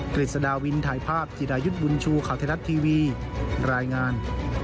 กริจสดาวินถ่ายภาพจิรายุทธ์บุญชูขาวเทศทีวีรายงาน